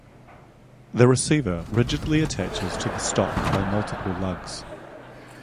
The receiver rigidly attaches to the stock by multiple lugs.